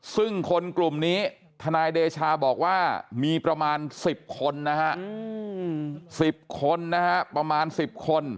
ซึ่งคนกลุ่มนี้ทนายเดชาบอกว่ามีประมาณ๑๐คนนะครับ